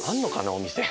お店。